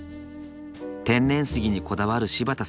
天然杉にこだわる柴田さん。